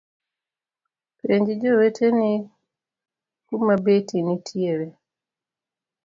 Penj joweteni kuma beti nitiere.